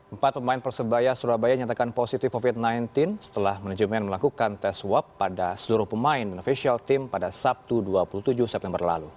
empat pemain persebaya surabaya nyatakan positif covid sembilan belas setelah manajemen melakukan tes swab pada seluruh pemain dan ofisial team pada sabtu dua puluh tujuh september lalu